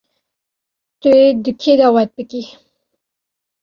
Tu dê kê dawet bikî.